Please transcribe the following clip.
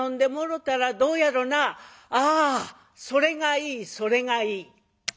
「ああそれがいいそれがいい」。